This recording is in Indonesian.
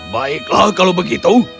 baiklah kalau begitu